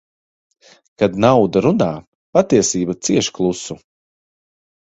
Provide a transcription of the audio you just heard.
Kad nauda runā, patiesība cieš klusu.